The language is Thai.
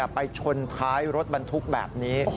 ไปชนท้ายรถบรรทุกแบบนี้